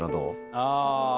ああ。